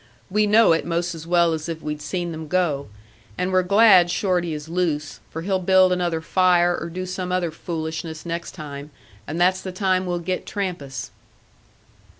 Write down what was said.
We know it most as well as if we'd seen them go. And we're glad Shorty is loose, for he'll build another fire or do some other foolishness next time, and that's the time we'll get Trampas."